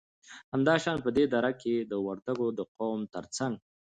همدا شان په دې دره کې د وردگو د قوم تر څنگ